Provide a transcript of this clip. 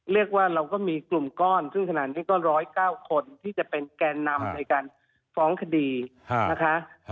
เราก็มีกลุ่มก้อนซึ่งขนาดนี้ก็๑๐๙คนที่จะเป็นแกนนำในการฟ้องคดีนะคะ